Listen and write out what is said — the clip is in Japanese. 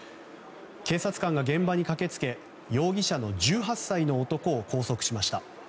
警察官が現場に駆け付け容疑者の１８歳の男を拘束しました。